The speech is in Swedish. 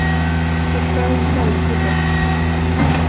Miss Brown vände sig bort.